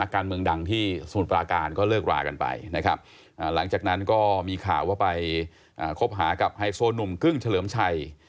ก็เข้าหากับไฮโฟสต์หนุ่มกึ้งเฉลิมชัย